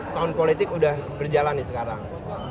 tahun politik sudah berjalan nih sekarang